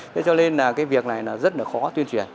thế cho nên là cái việc này là rất là khó tuyên truyền